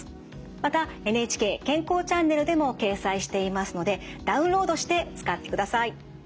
また「ＮＨＫ健康チャンネル」でも掲載していますのでダウンロードして使ってください。